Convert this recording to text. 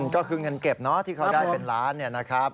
ก็คือเงินเก็บที่เขาได้เป็นล้านเนี่ยนะครับ